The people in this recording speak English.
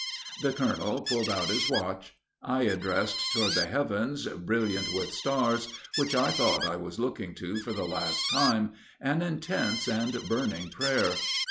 "The colonel pulled out his watch. I addressed toward the heavens, brilliant with stars, which I thought I was looking to for the last time, an intense and burning prayer."